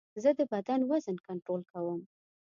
زه د بدن وزن کنټرول کوم.